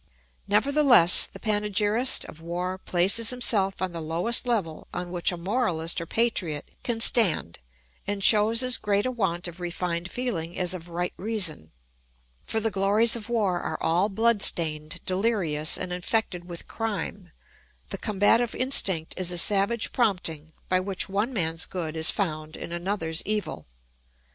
] Nevertheless the panegyrist of war places himself on the lowest level on which a moralist or patriot can stand and shows as great a want of refined feeling as of right reason. For the glories of war are all blood stained, delirious, and infected with crime; the combative instinct is a savage prompting by which one man's good is found in another's evil.